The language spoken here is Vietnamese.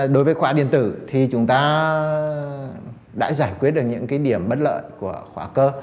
đối với khóa điện tử thì chúng ta đã giải quyết được những điểm bất lợi của khóa cơ